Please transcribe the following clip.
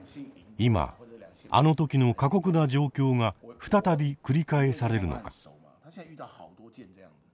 今あの時の過酷な状況が再び繰り返されるのか。